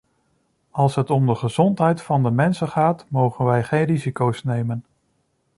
Als het om de gezondheid van de mensen gaat, mogen wij geen risico's nemen.